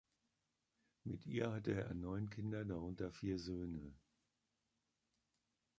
Mit ihr hatte er neun Kinder, darunter vier Söhne.